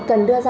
cần đưa ra